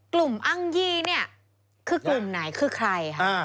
อ้างยี่เนี่ยคือกลุ่มไหนคือใครค่ะ